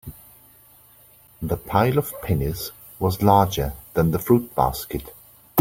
The pile of pennies was larger than the fruit basket.